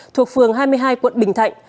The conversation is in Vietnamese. thuộc phường hai mươi hai quận bình thạnh